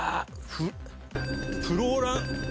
フローラン。